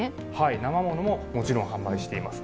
生ものも、もちろん販売しています。